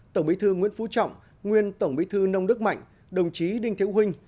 tổng bí thư nguyễn phú trọng nguyên tổng bí thư nông đức mạnh đồng chí đinh thiếu huynh